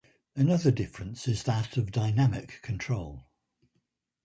Another difference is that of dynamic control.